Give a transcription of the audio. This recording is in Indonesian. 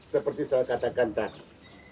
seperti saya katakan tadi